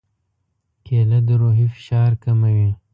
کېله د روحي فشار کموي.